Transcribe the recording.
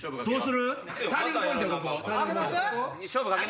どうする？